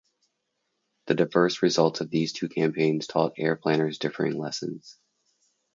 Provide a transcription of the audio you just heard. The diverse results of these two campaigns taught air planners differing lessons.